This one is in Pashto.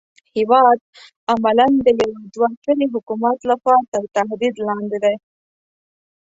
هېواد عملاً د يوه دوه سري حکومت لخوا تر تهدید لاندې دی.